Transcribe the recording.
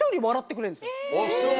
あっそう。